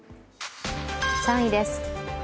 ３位です。